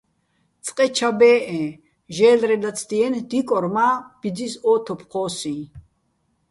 წყე ჩა ბეჸეჼ, ჟე́ლრეჼ ლაცდიენი̆, დიკორ მა́ ბიძის ო თოფ ჴო́სიჼ.